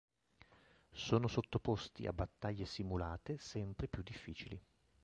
Sono sottoposti a battaglie simulate sempre più difficili.